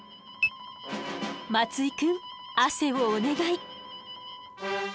松井くん汗をお願い。